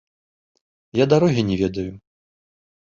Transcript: Я дарогі не ведаю.